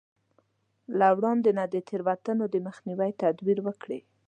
له وړاندې نه د تېروتنو د مخنيوي تدبير وکړي.